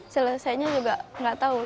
selesainya juga gak tahu